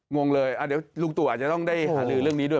งงเลยเดี๋ยวลุงตู่อาจจะต้องได้หาลือเรื่องนี้ด้วย